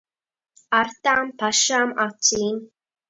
Ar tām pašām acīm.